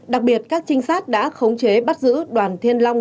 đặc biệt các trinh sát đã khống chế bắt giữ đoàn thiên long